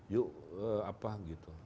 yuk apa gitu